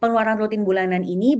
pengeluaran rutin bulanan ini